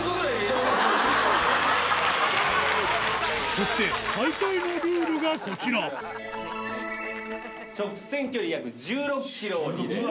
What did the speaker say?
そして大会のルールがこちら直線距離約１６ｋｍをリレー。